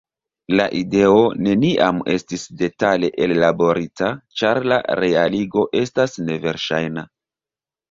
La ideo neniam estis detale ellaborita ĉar la realigo estas neverŝajna.